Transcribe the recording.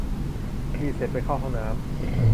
ฉีดเสร็จ ไปเข้าห้องน้ำ